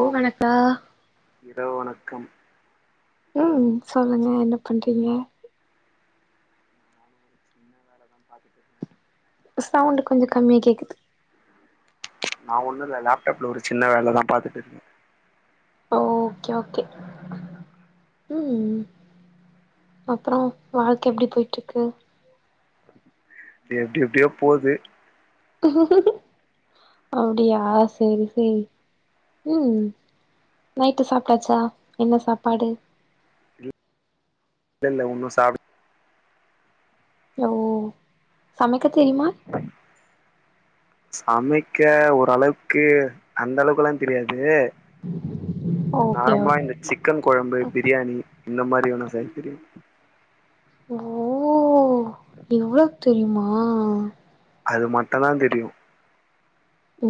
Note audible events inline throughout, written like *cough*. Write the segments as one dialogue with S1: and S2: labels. S1: ஓ வணக்கா
S2: இரவு வணக்கம்
S1: ம் சொல்லுங்க என்ன பண்றீங்க
S2: பாத்து பேசுங்க
S1: சவுண்ட் கொஞ்ச கம்மியா கேக்குது
S2: நா ஒண்ணுல்ல லேப்டாப்ல ஒரு சின்ன வேலதா பாத்துட்டு இருக்கே
S1: ஓ ஓகே ஓகே ம் அப்றோ வாழ்க்கை எப்டி போய்ட்ருக்கு
S2: எப்டி எப்டியோ போது
S1: அப்டியா சேரி சேரி ம் நைட்டு சாப்ட்டாச்சா என்ன சாப்பாடு
S2: இல்ல இல்ல ஒன்னு சாப்ட
S1: லோ சமைக்க தெரியுமா
S2: சமைக்க ஓர் அளவுக்கு அந்த அளவுக்குல்லா தெரியாது
S1: ஓகே
S2: நார்மலா
S1: ஓகே
S2: இந்த சிக்கன் கொழம்பு பிரியாணி இந்த மாரி வேணா செய்ய தெரியும்
S1: ஓ இவ்ளவு தெரியுமா
S2: அது மட்டுந்தா தெரியு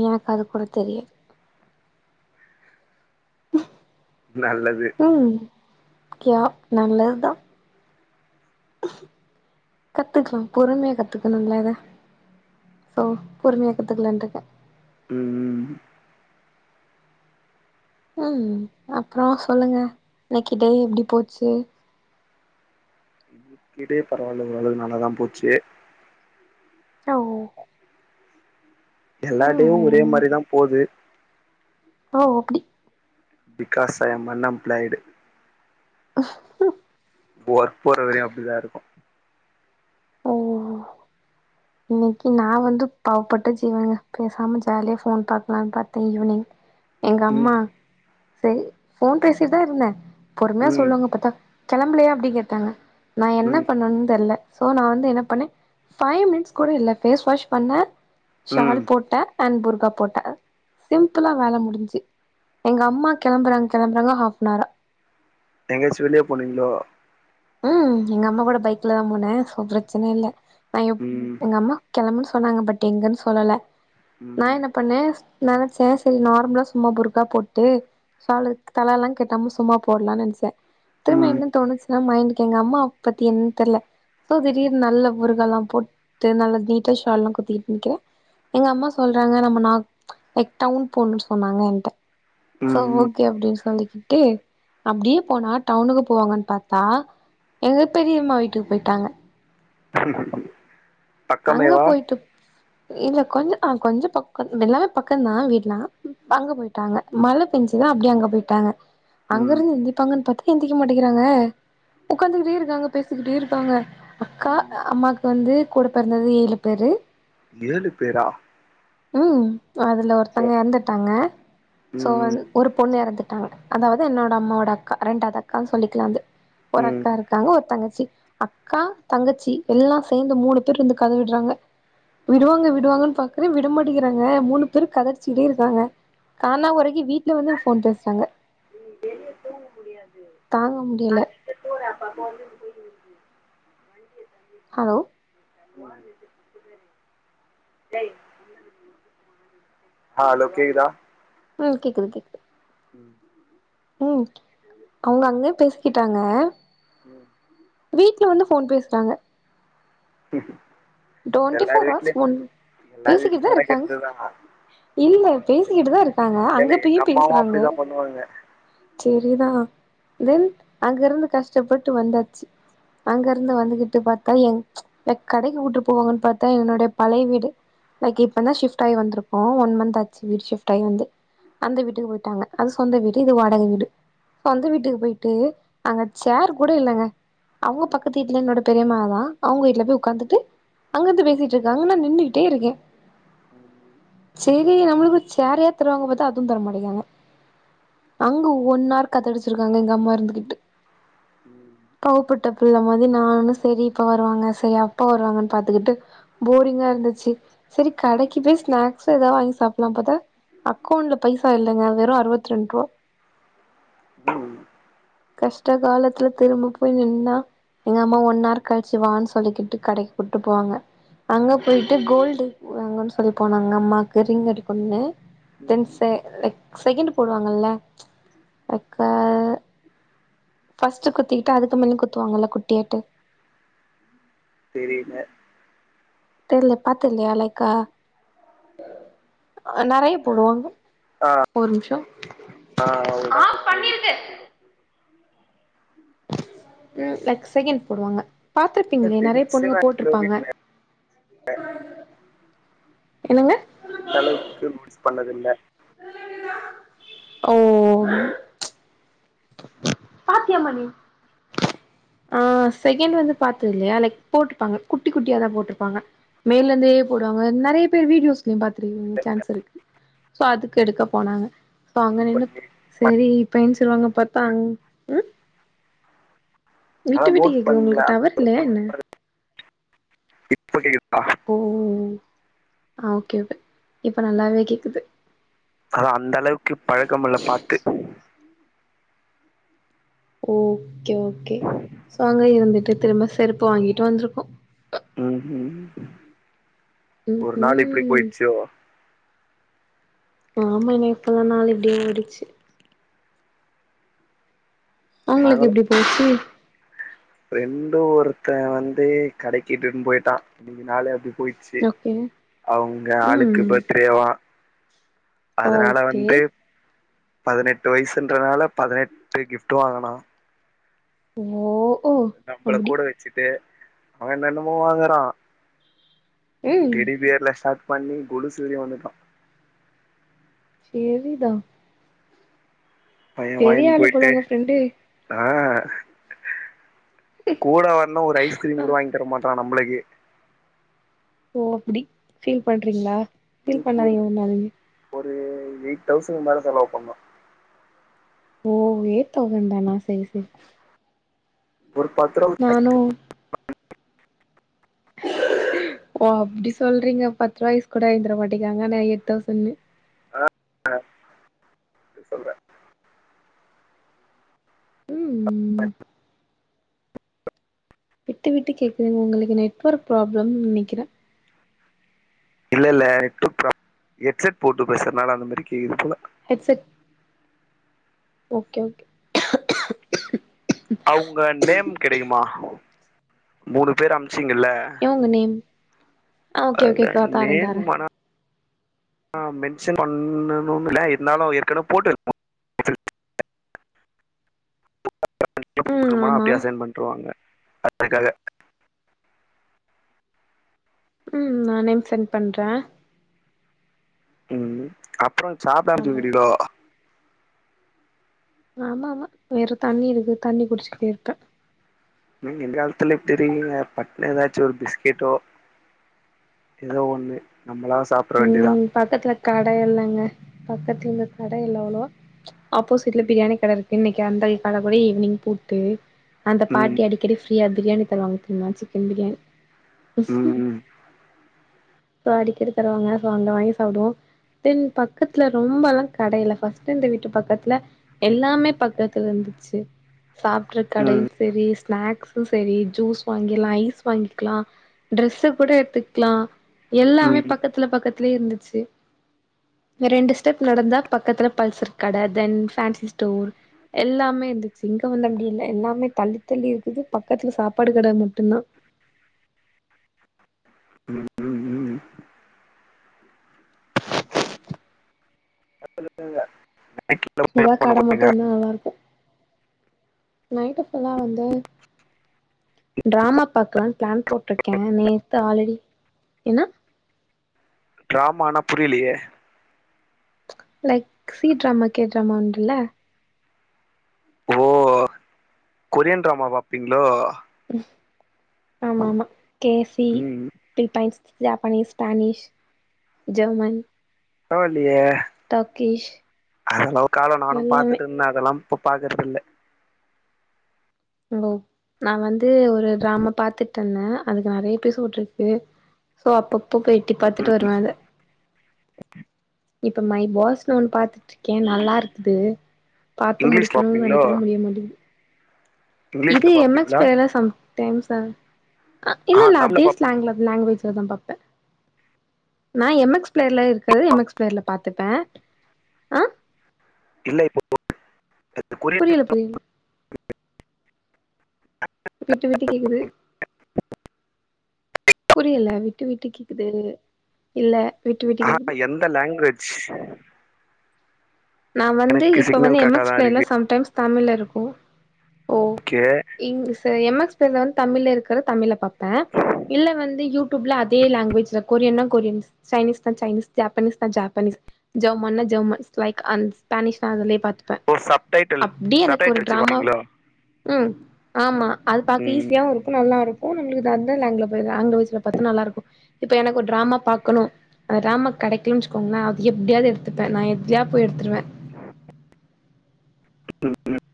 S1: எனக்கு அது கூட தெரியாது
S2: நல்லது
S1: ம் கியா நல்லதுதா கத்துக்கலா பொறுமையா கத்துக்கணுல்ல இத சோ பொறுமையா கத்துக்கலான்ட்டுருக்க
S2: ம் ம்
S1: ம் அப்புறோ சொல்லுங்க இன்னக்கி டே எப்டி போச்சு
S2: இன்னிக்கு டே பரவாயில்ல ஓரளவுக்கு நல்லாதா போச்சு
S1: சௌ
S2: எல்லா டேயு ஒரே
S1: ம்
S2: மாரிதா போது
S1: ஓ அப்டி
S2: பிகாஸ் ஐம் அன்எம்ப்ளாய்டு ஒர்க் போற வரயு அப்டிதா இருக்கு
S1: ஓ இன்னைக்கு நா வந்து பாவ்பட்ட ஜீவன்ங்க பேசாம ஜாலியா ஃபோன் பாக்கலா பாத்த ஈவ்னிங் எங்க
S2: ம்
S1: அம்மா சரி ஃபோன் பேசிட்டுதா இருந்த பொறுமையா
S2: ம்
S1: சொல்லுவாங்க பாத்தா கெளம்பலையா அப்டி கேட்டாங்க நா என்ன
S2: ம்
S1: பண்ணன்னு தெர்ல சோ நா வந்து என்ன பண்ண ஃபைவ் மினிட்ஸ் கூட இல்ல ஃபேஸ் வாஷ் பண்ண
S2: ம்
S1: ஷால் போட்ட அன் புர்கா போட்ட சிம்புளா வேல முடிஞ்சு எங்க அம்மா கெளம்பறாங்க கெளம்பறாங்க ஹாஃப்னாரா
S2: எங்கயாச்சி வெளிய போனிங்களோ
S1: ம் எங்க அம்மா கூட பைக்ல தா போன சோ பிரச்சன இல்ல நா எப்
S2: ம்
S1: எங்க அம்மா கெளம்புன்னு சொன்னாங்க பட் எங்கன்னு சொல்லல நா
S2: ம்
S1: என்ன பண்ண நனச்ச சரி நார்மலா சும்மா புர்கா போட்டு ஷாலு தலல்லா கெட்டாம சும்மா போடலானு நனைச்ச‌ திரும்ப
S2: ம்
S1: என்ன தோணுச்சு எ மயிண்டுக்கு எங்க அம்மாவ பத்தி இன்னு தெர்ல சோ திடீர்து நல்ல புர்கால்லா போட்டு நல்ல நீட்டா ஷால்லா குத்திட்டு நிக்கிற எங்க அம்மா சொல்றாங்க நம்ம நா லைக் டவுன் போணுன்னு சொன்னாங்க என்ட்ட சோ
S2: ம்.
S1: ஓகே அப்டின்னு சொல்லிக்கிட்டு அப்டியே போனா டவுனுக்கு போவாங்கன்னு பாத் தா எங்க பெரியம்மா வீட்டுக்கு போயிட்டாங்க
S2: பங்கங்க
S1: அங்க போய்ட்டு இல்ல கொஞ்சோ அ கொஞ்சோ பக்க எல்லாமே பக்கந்தா வீடுலா அங்க போய்ட் டாங்க மழ பேஞ்சுதா அப்டே அங்க போயிட்டாங்க அங்க
S2: ம்
S1: இருந்து எந்திப்பாங்கன்னு பாத்தா எந்திக்க மாட்டேங்கிறாங்க உட்காந்துக்கிட்டே இருக்காங்க பேசிக்கிட்டே இருக்காங்க அக்கா
S2: ம்.
S1: அம்மாக்கு வந்து கூட பிறந்தது ஏழு பேரு
S2: ஏழு பேரா
S1: ம் அதுல
S2: அச்சச்சோ
S1: ஒருத்தோங்க இறந்துட்டாங்க சோ
S2: ம்
S1: வந் ஒரு பொண்ணு இறந்து ட்டாங்க அதாவது என்னோட அம்மாவோட அக்கா ரெண்டாவது அக்கான்னு சொல்லிக்கலா அது ஒரு
S2: ம்
S1: அக்கா இருக்காங்க ஒரு தங்கச்சி அக்கா தங்கச்சி எல்லா சேந்து மூணு பேர் இருந்து கதவிடுறாங்க விடுவாங்க விடுவாங்கன்னு பாக்குற விடமாட்டக்கிறாங்க மூணு பேரு கத அடிச்சிட்டே இருக்காங்க கானாகொரைக்கி வீட்டுல வந்து ஃபோன் பேசுறாங்க தாங்க முடியல
S2: போறப்பா போ போ *unintelligible*
S1: ஹலோ
S2: வா *inaudible* அ ஹலோ கேக்குதா
S1: ம் கேக்குது கேக்குது
S2: ம்
S1: ம் அவங்க அங்க பேசிக்கிட்டாங்க
S2: ம்
S1: வீட்ல வந்து ஃபோன் பேசுறாங்க
S2: ம்
S1: டுவென்டி ஃபோர் ஹவர்ஸ் ஃபோன்
S2: எல்லார்
S1: பேசிக்கிட்டு
S2: வீட்லயு
S1: தா இருக்காங்க
S2: நடக்கிறதுதா
S1: இல்ல பேசிக்கிட்டு தா இருக் ஆனா
S2: இல்ல
S1: அங்க
S2: இல்ல
S1: பேயு
S2: எங்க அம்மாவு
S1: பேசுறாங்க
S2: அப்டிதா பண்ணுவாங்க
S1: செரிதா தென் அங்க இருந்து கஷ்டப்பட்டு வந்தாச்சி அங்க இருந்து வந்துகிட்டு பாத்தா என் எ கடைக்கு கூட்டு போவாங்கன் பாத்தா என்னுட பழைய வீடு லைக் இப்பந் தா சிப்ட்டாகி வந்திருக்கோ ஒன் மந்த் ஆச்சி வீடு சிப்ட்டாகி வந்து அந்த வீட்டுக்கு போய்ட்டாங்க அது சொந்த வீடு இது வாடக வீடு சொந்த வீட்டுக்கு போய்ட்டு அங்க சர் கூட இல்லங்க அங்க பக்கத்து வீட்ல என்னோட பெரிமா வா அவங்க வீட்ல போய் உக்காந்துட்டு அங்கிருந்து பேசிட்டு இருக்காங்க நா நின்னுகிட்டே இருக்கே
S2: ம்
S1: சேரி நம்மளுக்கும் ஒரு சேரையாது தருவாங்க பாத்தா அதுவு தரமாட்டிகாங்க அங்க ஒன் ஆர் கதடிச்சிருக்காங்க எங்க அம்மா இருந்துகிட்டு
S2: ம்
S1: பாவ பட்ட பிள்ள மாதி நானு சரி இப்ப வருவாங்க சரி அப்போ வருவாங்கன் பாத்துக்கிட்டு போரிங்கா இருந்துச்சி செரி கடைக்கு போய் ஸ்நாக்ஸு ஏதா வாங்கி சாப்பிட்லான் பாத்தா அக்கௌண்ட்ல பைசா இல்லங்க வெறு அருவத்ரெண்டு ரூவா கஷ்ட காலத்துல திரும்ப போய் நின்னா எங்க அம்மா ஒன்னார் கழிச்சி வான்னு சொல்லிக்கிட்டு கடைக்கு கூட்டு போவாங்க அங்க போய்ட்டு கோல்டு வாங்கன் சொல்லி போனாங்க அம்மாக்கு ரிங் எடுக்கண்னு தென் சே லைக் செகண்ட் போடுவாங்கல்ல லைக் அ ஃபஸ்ட்டு குத்திக்கிட்டு அதுக்கு மேலயு குத்துவாங்கல குட்டியேட்டு
S2: தெரில
S1: தெர்ல பாத்த இல்லையா லைக்கா நெறைய போடுவாங்க ஒரு நிமிஷோ
S2: ஆ ஓகே
S1: ஆஃப்
S2: புரியுது
S1: பண்ணிருக்கு. ம் லைக் செகண்ட் போடுவாங்க பாத்துருப்பீங்களே நறைய பொண்ணுங்க
S2: டென்ஷனா இருக்குல
S1: போட்ருப்பாங்க
S2: வீட்ல
S1: என்னங்க
S2: அந்த அளவுக்கு நோட்டிஸ் பண்ணது இல்ல
S1: ஓ சாப்டியாமா நீ ஆ செகண்ட் வந்து பாத்து இல்லையா லைக் போட்ருப்பாங்க குட்டி குட்டியாதா போட்ருப்பாங்க மேல இருந்தே போடுவாங்க நெறைய பேர் வீடியோஸ் பாத்துருக்கீங்க
S2: இல்ல,
S1: சான்ஸ் இருக்கு சோ அதுக்கு எடுக்க போனாங்க சோ அங்க நின்னு
S2: பண்ணி பண்-
S1: சரி இப்ப எஞ்சிருவாங்க பாத்தா அங் ம் விட்டு விட்டு கேக்குது உங்களுக்கு டவர் இல்லையா என்ன
S2: இப்படி இருக்கா
S1: ஓ ஆ ஓகே ஓகே இப்போ நல்லாவே கேக்குது
S2: அத அந்த அளவுக்கு பழக்கமில்ல பாத்து
S1: ஓகே ஓகே சோ அங்க இருந்துட்டு திரும்ப செருப்பு வாங்கிட்டு வந்திருக்கோ
S2: ம் ம்
S1: ம்,
S2: ஒரு நாள் இப்டி
S1: ம்.
S2: போய்டுச்சோ
S1: ஆமா இன்னைக்கு ஒரு நாள் இப்டியே ஓடிச்சு உங்ளுக்கு எப்டி போச்சு
S2: ஃபிரண்டு ஒருத்தன் வந்து கடைக்கிட்டுன் போய்ட்டான் இன்னைக்கு நாளே அப்டியே போய் ச்சு
S1: ஓகே.
S2: அவ்ங்க ஆளுக்கு
S1: ம்.
S2: பர்த்டேவா அதுனால
S1: ஓகே.
S2: வந்து பதினெட்டு வய்சுன்றனால பதினெட்டு கிஃப்டு வாங்குனா
S1: ஓ ஓ
S2: நம்ப்ள
S1: அப்டி.
S2: கூட வச்சுட்டு அவன் என்னென்னமோ வாங்குறான்
S1: ம்.
S2: டெடிபியர்ல ஸ்டாட் பண்ணி கொலுசு வரியு வந்துட்டான்
S1: சேரிதா
S2: பையன்
S1: பெரிய
S2: வாய்ங்ன்
S1: ஆளு போல
S2: போய்ட்டு
S1: உங்க ஃப்ரெண்டு.
S2: ஆ கூட வர்னு ஒரு ஐஸ்கிரீம்
S1: ஆ
S2: கூட வாங்கி தரமாட் டான் நம்ளகி
S1: ஓ அப்டி ஃபீல் பண்றீங்ளா
S2: இன்னிக்கு ஒரு ஒரு எய்ட் தௌசண்க்கு மேல செலவு பண்ணா
S1: ஓ எய்ட் தௌசண்தானா சரி சரி
S2: ஒரு பத்ருவா
S1: ம்
S2: *unintelligible*
S1: ஓ அப்டி சொல்றீங்க பத்ருவா ஐஸ் கூட வாய்ந்தரமாட்டிககாங்க ஆனா எய்ட் தௌசண்னு
S2: ஆ அப்டி சொல்ற
S1: ம். விட்டு விட்டு கேடக்குது உங்களுக்கு நெட்வொர்க் ப்ராப்ளம் நெனைக்கிறே
S2: இல்ல இல்ல நெட்டு ப்ரா ஹெட்செட் போட்டு பேசுற்னால அந்த மாரி கேக்குது போல
S1: ஹெட்செட் ஓகே ஓகே
S2: அவ்ங்க நேம் கெடைக்குமா மூணு பேர் அம்ச்சீங்குல
S1: அவ்ங்க நேம் ஆ ஓகே ஓகே கா தாரேன் தாரேன்
S2: ஆ மென்ஷன் பண்ணனும் இல்ல இருந்தாலு ஏற்கன போட்டுருப்போ
S1: ம்
S2: *inaudible*
S1: ஆமா
S2: அப்டியே அசைன் பண்ட்ருவாங்க அதுக்காக
S1: ம் நானேவு செண் பண்ற
S2: ம் அப்றோ சாப்ட
S1: ஆமா
S2: அனுப்ச்சுவுச்சுடீக்ளோ
S1: ஆமா ஆமா வேற தண்ணி இருக்கு தண்ணி குடிச்சுகிட்டே இருப்ப
S2: நீ இந்த காலத்துல இப்டி இருக்கீங்க பட்னு எதாச்சு ஒரு பிஸ்கெட்டோ எதோ ஒன்னு நம்ளா சாப்ட்ற வேண்டிதா
S1: ம் பக்கத்துல கட இல்லங்க பக்கத்துல கட இல்ல அவ்ளோவா ஆப்போசிட்ல பிரியாணி கட இரு இன்னைக்கு அந்த கட கூடி ஈவினிங் பூட்டு அந்த
S2: ம்
S1: பாட்டி அடி கடி ஃப்ரீயா பிரியாணி தருவாங்க தெரிமா சிக்கன் பிரியாணி
S2: ம்
S1: சோ அடிக்கடி தருவாங்க சோ அங்க வாங்கி சாப்டுவோ தென் பக்கத்துல ரொம்பலா கடைல ஃபஸ்ட்டு இர்ந்த வீட்டு பக்கத்ல எல்லாமே பக்கத்ல இருந்துச்சு சாப்ட்ற
S2: ம்
S1: கடை
S2: ம்
S1: செரி ஸ்நாக்ஸு சேரி ஜூஸ் வாங்கிலா ஐஸ் வாங்கிக்லா ட்ரெஸு கூட எடுத்துக்லா எல்லாமே
S2: ம்
S1: பக்கத்துல பக்கத்துலே இருந்துச்சு இங்க ரெண்டு ஸ்டெப் நடந்தா பக்கத்ல பல்சிர்க் கட தென் பேன்ஸி ஸ்டோர் எல்லாமே இர்ந்துச்சு இங்க வந்து அப்டி இல்ல எல்லாமே தள்ளி தள்ளி இருக்குது பக்கத்ல சாப்பாடு கட மட்டுந்தா
S2: ம் ம் ம் *inaudible* இல்ல *inaudible*
S1: எதா கட மட்டு இருந்தா நல்லா இருக்கு நைட்டு ஃபுல்லா வந்து டிராமா பாக்லான்னு பிளான் போட்ருக்கே நேத்து ஆல்ரடி என்ன
S2: டிராமானா புரிலியே
S1: லைக் சி டிராமக் கே ட்ராமா உண்டுல்ல
S2: ஓ கொரியன் டிராமா பாப்பிங்ளோ
S1: ஆமாமா கே சி
S2: ம்
S1: பிலீப்பைன்ஸ் ஜாப்பனீஸ் ஃபானிஷ் ஜர்மன்
S2: பரவால்லியே அதல்லா ஒரு காலோ நானு
S1: எல்லாமே
S2: பாத்துட்டு இருந்தே அதல்லாம் இப்ப பாக்கறதில்ல
S1: ஓ நா வந்து ஒரு டிராமா பாத்துட்ருந்தே அதுக்கு நெறைய பேஸ் வுட்ருக்கு சோ அப்பப்ப போய் எட்டி பாத்துட்டு வருவே அத இப்ப மை பாஸ்னு ஒண்ணு பாத்துட்ருக்கே நல்லா இருக்குது பாத்து
S2: இங்கிலீஷ்
S1: முடிக்கணுன்
S2: பாப்பீங்களோ
S1: நெனைக்கிறே முடிய மாடிங்குது இது
S2: இங்கிலீஷ்ல
S1: எம் எக்ஸ்
S2: பாப்பீங்களா
S1: பிளேயர்ல சம் டைம்ஸ் ச இல்ல
S2: ஆ
S1: இல்ல
S2: தமிழ்ல
S1: அதே
S2: பாப்பே
S1: ஸ்லாங்ல லாங்வேஜ்லதா பாப்பே நா எம் எக்ஸ் பிளேயர்ல இருக்றது எம் எக்ஸ் பிளேயர்ல பாத்துப்பே ஆ
S2: இல்ல இப்பப்போ இந்த கொரி
S1: இதுல போய் விட்டு விட்டு கேக்குது புரியல விட்டு விட்டு கேக்குது இல்ல விட்டு விட்டு
S2: ஆ
S1: கேக்குது
S2: எந்த லாங்குவேஜ்
S1: நா வந்து
S2: எனக்கு
S1: இப்ப வந்து
S2: சிக்னல்
S1: எம் எக்ஸ்
S2: கரெக்டாதா
S1: பிளேயர்ல
S2: இருக்கு
S1: சம்டைம்ஸ் தமிழ்ல இருக்கு ஓ
S2: கே
S1: இங்லீஸு எம் எக்ஸ் பிளேயர்ல வந்து தமிழ்ல இருக்கத தமிழ்ல பாப்பே இல்ல வந்து யூ டியூப்ல அதே லாங்குவேஜ்ல கொரியன்னா கொரியன்ஸ் சைனிஸ்னா சைனிஸ் ஜாப்பனிஸ்னா ஜாப்பனிஸ் ஜெர்மன்னா ஜெர்மன்ஸ் லைக் அன்ஸ் பேனிஸ்னா அதுலயே பாத்துப்பே
S2: ஓ சப்டைட்டில்
S1: அப்டியே எனக்கு ஒரு
S2: சப்டைட்டில் வச்சு
S1: ட்ராமா
S2: பாப்பீங்களோ
S1: ம் ஆமா அது பாக்க
S2: ம்
S1: ஈஸியாவு இருக்கு நல்லாரு ஓன் விலுகுதுள்ள அதர் லாங்ல போய்தா லாங்வேஜ்ல பாத்தா நல்லாருக்கு இப்ப எனக்கு ஒரு டிராமா பாக்கணு அந்த டிராமா கெடைக்கலன் வச்சுக்கோங்ளே அது எப்டியாவது எடுத்துப்பே நா எப்டியா போய் எடுத்துருவே
S2: *inaudible*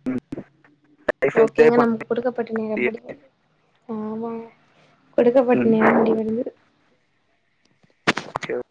S2: லைஃப்
S1: ஓகேங்க
S2: என்ஜாய் பண்ண
S1: நமக்கு குடுக்கப்பட்ட நேரம் முடிந்தது ஆமா கொடுக்கப்பட்ட
S2: ம்
S1: நேரம் முடிவடைந்தது
S2: *inaudible*